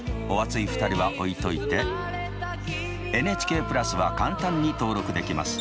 お熱い２人は置いといてＮＨＫプラスは簡単に登録できます。